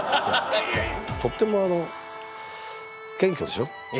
とってもあの謙虚でしょ。